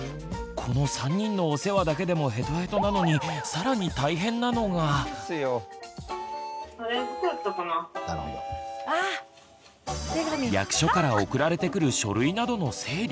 この３人のお世話だけでもヘトヘトなのに役所から送られてくる書類などの整理。